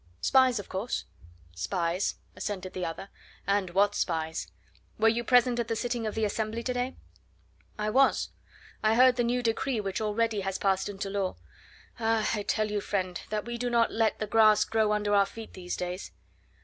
"Spies, of course?" "Spies," assented the other. "And what spies! Were you present at the sitting of the Assembly to day?" "I was. I heard the new decree which already has passed into law. Ah! I tell you, friend, that we do not let the grass grow under our feet these days.